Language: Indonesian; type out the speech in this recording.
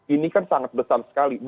ini kan sangat besar sekali